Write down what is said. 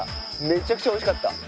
めちゃくちゃ美味しかった。